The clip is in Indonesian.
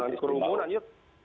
jangan kerumunan yud